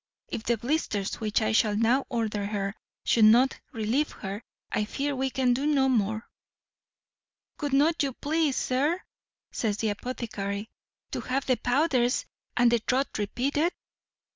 If the blisters which I shall now order her, should not relieve her, I fear we can do no more." "Would not you please, sir," says the apothecary, "to have the powders and the draught repeated?"